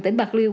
tỉnh bạc liêu